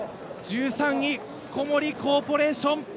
１３位、小森コーポレーション。